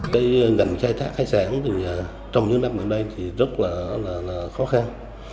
cái ngành khai thác hải sản thì trong những năm gần đây thì rất là khó khăn